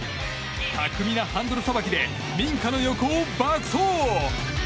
巧みなハンドルさばきで民家の横を爆走。